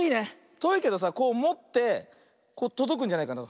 とおいけどさこうもってとどくんじゃないかな。